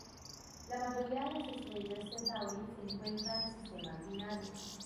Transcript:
La mayoría de las estrellas T Tauri se encuentran en sistemas binarios.